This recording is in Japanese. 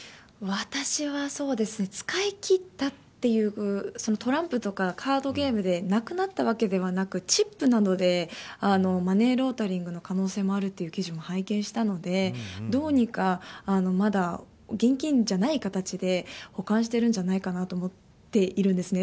私は使い切ったというトランプとかカードゲームでなくなったわけではなくチップなどでマネーロンダリングの可能性もあるという記事も拝見したのでどうにか、まだ現金じゃない形で保管しているんじゃないかと思っているんですね。